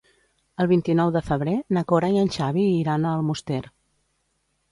El vint-i-nou de febrer na Cora i en Xavi iran a Almoster.